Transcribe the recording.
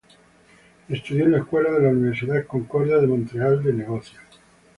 Estudio en la escuela de la Universidad Concordia de Montreal de negocios.